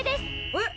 えっ？